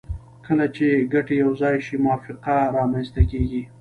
کله چې ګټې یو ځای شي موافقه رامنځته کیږي